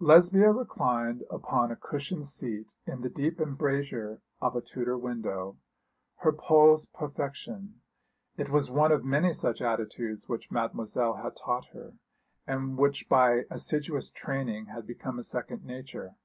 Lesbia reclined upon a cushioned seat in the deep embrasure of a Tudor window, her pose perfection it was one of many such attitudes which Mademoiselle had taught her, and which by assiduous training had become a second nature.